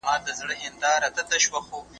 موږ بايد د نوې زماني غوښتنې درک کړو.